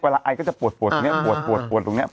เวลาไอ้ก็จะปวดตรงเนี่ยปวดตรงเนี่ย